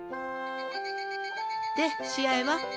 で試合は？